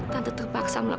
tamu tamu sudah siap selesai